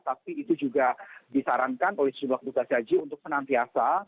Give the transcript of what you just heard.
tapi itu juga disarankan oleh jemaah kebuka saji untuk penantiasa